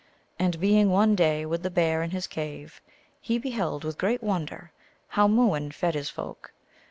And being one day with the Bear in his cave, he beheld with great wonder how Mooin fed his folk.